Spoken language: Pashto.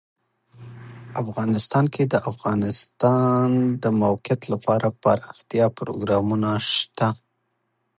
افغانستان کې د د افغانستان د موقعیت لپاره دپرمختیا پروګرامونه شته.